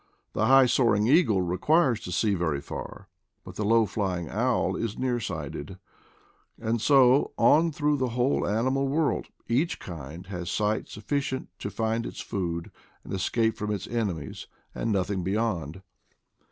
The high soaring eagle requires to see very far, but the low flying owl is near sighted. And so on through the whole ani mal world: each kind has sight sufficient to find its food and escape from its enemies, and nothing beyond.